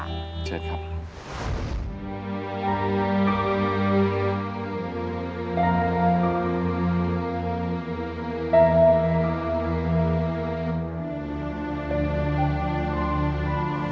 เชิญครับ